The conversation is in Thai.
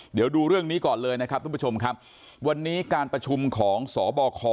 เดี๋ยวดูเรื่องนี้ก่อนเลยนะครับทุกผู้ชมครับวันนี้การประชุมของสบค